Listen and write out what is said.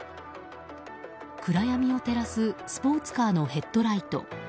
暗闇を照らすスポーツカーのヘッドライト。